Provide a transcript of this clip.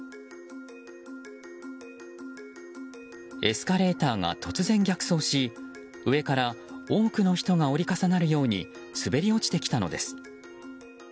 エスカレーターが突然、逆走し上から多くの人が折り重なるように滑り落ちてきたのです。